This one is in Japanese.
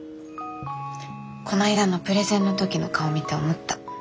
こないだのプレゼンの時の顔見て思った。